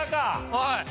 はい。